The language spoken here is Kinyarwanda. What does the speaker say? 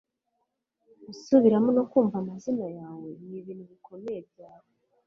gusubiramo no kumva amazina yawe nibintu bikomeye byawe